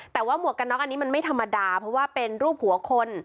แต่ว่าหมวกกันน็อกอันนี้มันไม่ธรรมดาเพราะว่าเป็นรูปหัวคน